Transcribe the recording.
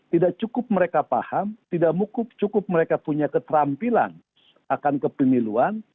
tidak cukup mereka paham tidak cukup mereka punya keterampilan akan kepemiluan